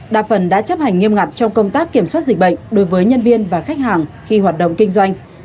đa phần đã chấp hành nghiêm ngặt trong công tác kiểm soát dịch bệnh đối với nhân viên và khách hàng khi hoạt động kinh doanh